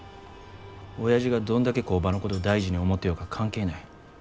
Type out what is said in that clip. おやじがどんだけ工場のことを大事に思ってようが関係ない。